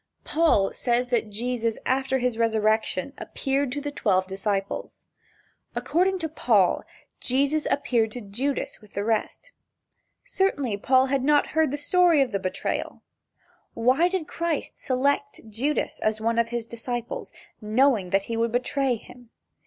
Paul says that Jesus after his resurrection appeared to the twelve disciples. According to Paul, Jesus appeared to Judas with the rest. Certainly Paul had not heard the story of the betrayal. Why did Christ select Judas as one of his disciples, knowing that he would betray him?